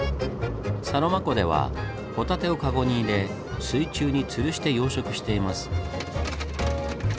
サロマ湖ではホタテをかごに入れ水中につるして養殖しています。